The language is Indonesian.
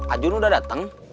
arjun udah dateng